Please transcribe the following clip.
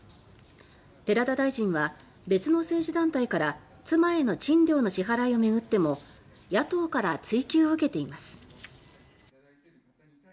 寺田大臣は別の政治団体から妻への賃料の支払いを巡っても野党から追及を受けています。